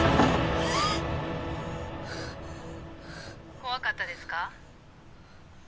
怖かったですか？